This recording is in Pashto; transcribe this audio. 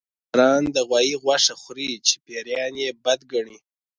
ډاکټران د غوايي غوښه خوري چې پيريان يې بد ګڼي